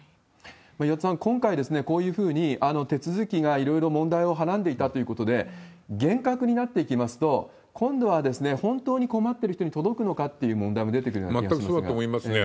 岩田さん、今回こういうふうに、手続きがいろいろ問題をはらんでいたということで、厳格になっていきますと、今度は、本当に困ってる人に届くのかっていう問題も出てくるような気がし全くそうだと思いますね。